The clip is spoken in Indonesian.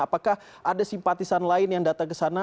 apakah ada simpatisan lain yang datang ke sana